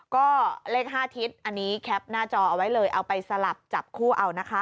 ก็เลข๕ทิศอันนี้แคปหน้าจอเอาไว้เลยเอาไปสลับจับคู่เอานะคะ